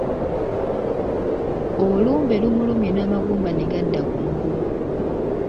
Olumbe lumulumye n'amagumba ne gadda ku ngulu.